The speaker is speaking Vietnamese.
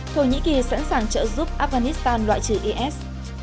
thổ nhĩ kỳ sẵn sàng trợ giúp afghanistan loại trừ is